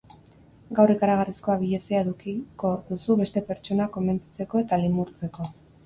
Gaur ikaragarrizko abilezia edukiko duzu beste pertsonak konbentzitzeko eta limurtzeko.